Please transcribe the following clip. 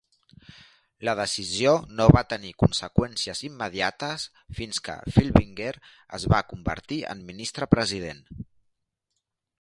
La decisió no va tenir conseqüències immediates fins que Filbinger es va convertir en Ministre-President.